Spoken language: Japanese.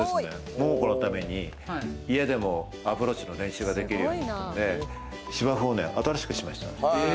桃子のために家でもアプローチの練習ができるように芝生を新しくしました。